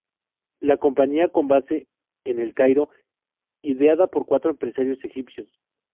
La compañía con base en El Cairo, ideada por cuatro empresarios egipcios.